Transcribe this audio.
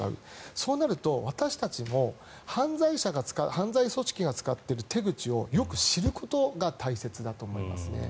そうなると、私たちも犯罪組織が使っている手口をよく知ることが大切だと思いますね。